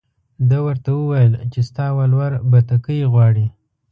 ده ورته وویل چې ستا ولور بتکۍ غواړي.